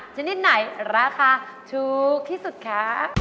ชนิดไหนราคาถูกที่สุดคะ